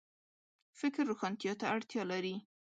فکر روښانتیا ته اړتیا لري